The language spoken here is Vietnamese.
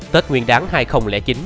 tết nguyên đáng hai nghìn chín